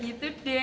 ya gitu deh